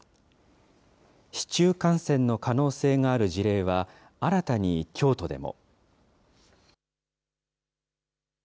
市中感染の可能性がある事例は、新たに京都でも。